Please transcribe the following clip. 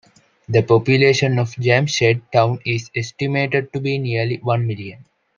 The population of Jamshed Town is estimated to be nearly one million.